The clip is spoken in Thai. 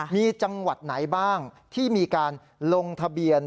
มีจังหวัดไหนบ้างที่มีการลงทะเบียน